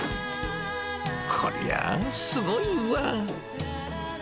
こりゃあ、すごいわ。